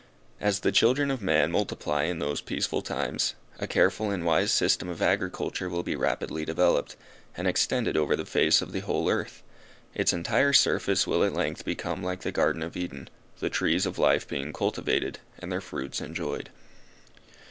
As the children of man multiply in those peaceful times, a careful and wise system of agriculture will be rapidly developed, and extended over the face of the whole earth; its entire surface will at length become like the garden of Eden, the trees of life being cultivated, and their fruits enjoyed.